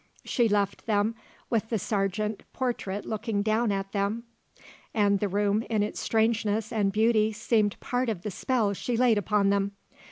She left them with the Sargent portrait looking down at them and the room in its strangeness and beauty seemed part of the spell she laid upon them.